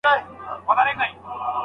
دی پر خپل کټ باندې ګرځي.